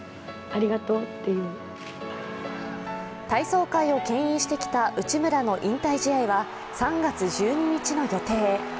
体操界をけん引してきた内村の引退試合は３月１２日の予定。